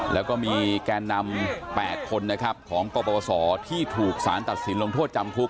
แล้วก็มีแกนนำ๘คนนะครับของกปศที่ถูกสารตัดสินลงโทษจำคุก